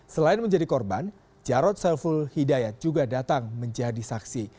selain menjadi korban jarod saiful hidayat juga datang menjadi saksi